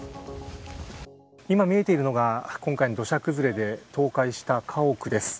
今見えているのが今回の土砂崩れで倒壊した家屋です。